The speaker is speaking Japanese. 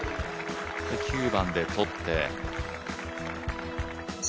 ９番でとって。